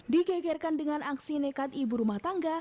digegerkan dengan aksi nekat ibu rumah tangga